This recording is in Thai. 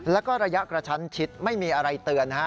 แล้วก็ระยะกระชั้นชิดไม่มีอะไรเตือน